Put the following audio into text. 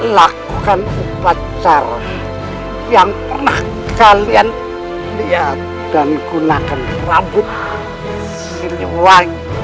lakukan upacara yang pernah kalian lihat dan gunakan rambut siliwangi